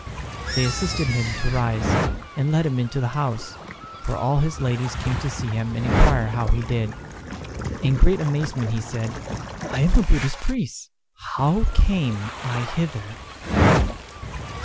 They assisted him to rise, and led him into the house, where all his ladies came to see him and inquire how he did. In great amazement he said, "I am a Buddhist priest. How came I hither?"